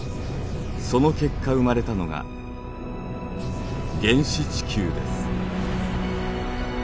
その結果生まれたのが原始地球です。